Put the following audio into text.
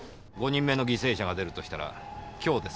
〔５人目の犠牲者が出るとしたら今日ですから〕